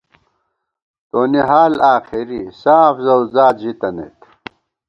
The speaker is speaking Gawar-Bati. تونی حال آخېری، ساف زوزاد ژِتَنَئیت